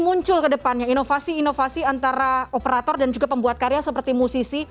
muncul ke depannya inovasi inovasi antara operator dan juga pembuat karya seperti musisi